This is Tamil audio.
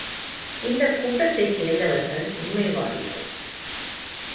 இந்தக் கூட்டத்தைச் சேர்ந்தவர்கள், உண்மைவாதிகள்!